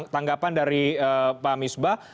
tanggapan dari pak misbah